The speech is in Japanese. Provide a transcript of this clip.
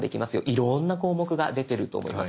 いろんな項目が出てると思います。